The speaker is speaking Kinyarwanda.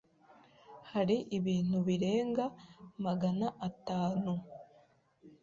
hari ibintu birenga Magana atanu